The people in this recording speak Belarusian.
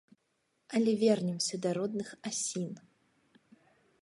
Але вернемся да родных асін.